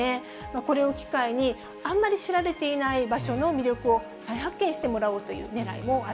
これを機会に、あんまり知られていない場所の魅力を再発見してもらおうというね